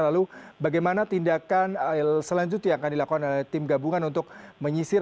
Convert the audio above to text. lalu bagaimana tindakan selanjutnya yang akan dilakukan oleh tim gabungan untuk menyisir